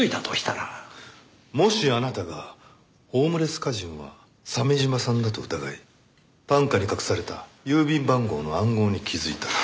もしあなたがホームレス歌人は鮫島さんだと疑い短歌に隠された郵便番号の暗号に気づいたら。